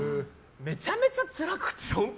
めちゃめちゃつらくて。